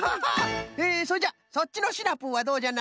えそれじゃそっちのシナプーはどうじゃな？